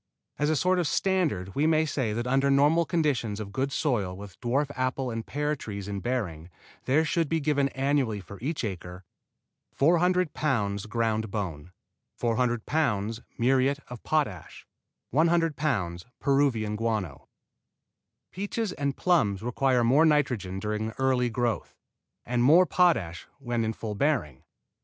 As a sort of standard we may say that under normal conditions of good soil with dwarf apple and pear trees in bearing there should be given annually for each acre: 400 pounds ground bone 400 pounds muriate of potash 100 pounds Peruvian guano Peaches and plums require more nitrogen during early growth, and more potash when in full bearing.